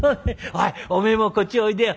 おいおめえもこっちおいでよ」。